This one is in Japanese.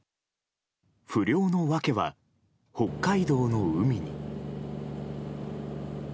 不漁の訳は、北海道の海に。